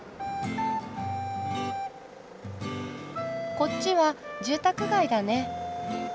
こっちは住宅街だね。